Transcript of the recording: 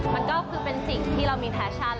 มันก็คือเป็นสิ่งที่เรามีแฟชั่น